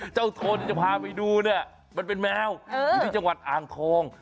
ทนจะพาไปดูเนี่ยมันเป็นแมวอยู่ที่จังหวัดอ่างทอง